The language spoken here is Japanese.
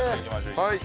はい！